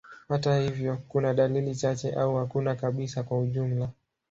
Hata hivyo, kuna dalili chache au hakuna kabisa kwa ujumla.